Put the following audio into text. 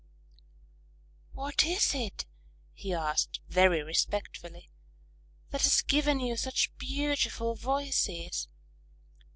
"What is it?" he asked very respectfully, "that has given you such beautiful voices?